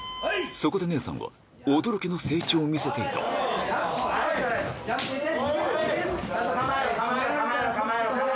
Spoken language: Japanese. そこで姉さんは驚きの成長を見せていた・逃げるな逃げるな・・